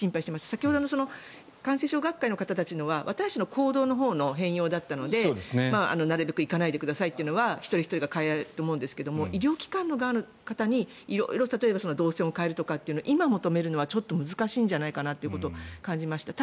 先ほどの感染症学会のほうは私たちの行動のほうの変容だったのでなるべく行かないでくださいというのは一人ひとり変えられると思うんですが医療機関の方に色々動線を変えるとかというのを今求めるのは難しいんじゃないかと思います。